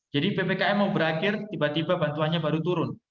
jadi ppkm mau berakhir tiba tiba bantuannya baru turun